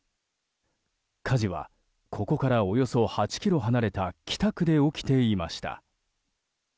火事はここからおよそ８ｋｍ離れた北区で起きていました。